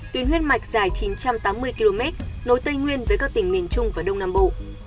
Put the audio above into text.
tuyến huyết mạch dài chín trăm tám mươi km nối tây nguyên với các tỉnh miền trung và đông nam bộ